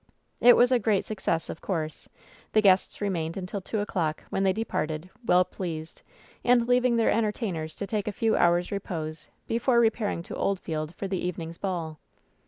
It was a great success, of course. The guests re mained until two o'clock, when they departed, well pleased, and leaving their entertainers to take a few hours' repose before repairing to Oldfield for the eve ning's ball.